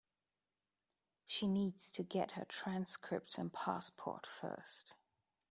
She needs to get her transcripts and passport first.